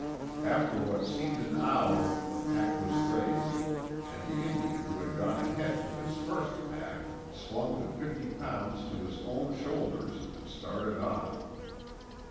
After what seemed an hour the pack was raised and the Indian who had gone ahead with his first pack swung the fifty pounds to his own shoulders and started off.